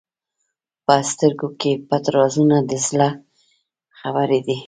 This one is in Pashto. په سترګو کې پټ رازونه د زړه خبرې دي.